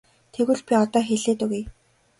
Тэгвэл би одоо хэлээд өгье.